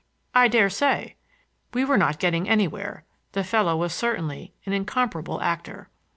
"I dare say." We were not getting anywhere; the fellow was certainly an incomparable actor.